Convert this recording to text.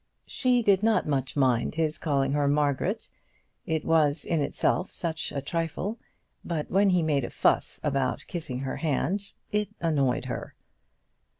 She did not much mind his calling her Margaret; it was in itself such a trifle; but when he made a fuss about kissing her hand it annoyed her.